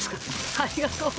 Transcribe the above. ありがとう。